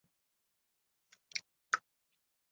江苏巡抚宋荦聘致幕中。